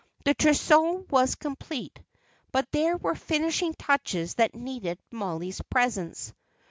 The trousseau was complete, but there were finishing touches that needed Mollie's presence.